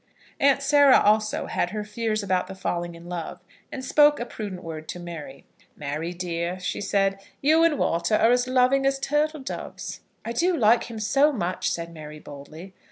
Aunt Sarah also had her fears about the falling in love, and spoke a prudent word to Mary. "Mary, dear," she said, "you and Walter are as loving as turtle doves." "I do like him so much," said Mary, boldly.